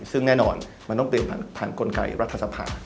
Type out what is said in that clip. ซึ่งแน่นอนมันต้องเปลี่ยนผ่านกลไกรัฐสภา